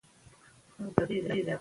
ژبه باید ساده او فهمېدونکې وي.